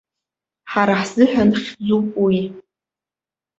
Ҳара ҳзыҳәан хьӡуп уи!